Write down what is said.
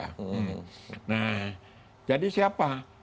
nah jadi siapa